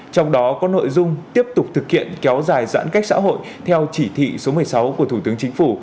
trong đó có nội dung tiếp tục thực hiện kéo dài giãn cách xã hội theo chỉ thị số một mươi sáu của thủ tướng chính phủ